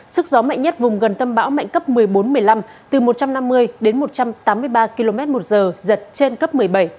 sức gió mạnh nhất vùng gần tâm bão mạnh cấp một mươi bốn một mươi năm từ một trăm năm mươi đến một trăm tám mươi ba km một giờ giật trên cấp một mươi bảy